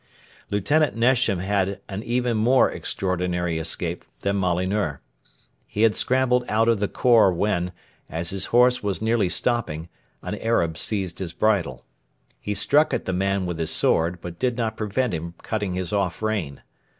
Lieutenant Nesham had an even more extraordinary escape than Molyneux. He had scrambled out of the khor when, as his horse was nearly stopping, an Arab seized his bridle. He struck at the man with his sword, but did not prevent him cutting his off rein.